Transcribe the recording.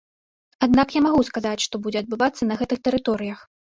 Аднак я магу сказаць, што будзе адбывацца на гэтых тэрыторыях.